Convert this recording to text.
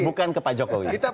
bukan kepada pak jokowi